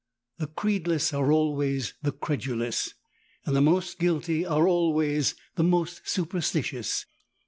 The creedless are always the credulous, and the most guilty are always the most superstitious.